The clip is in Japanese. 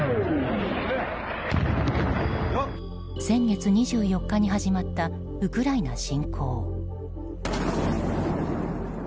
先月２４日に始まったウクライナ侵攻。